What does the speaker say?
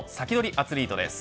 アツリートです。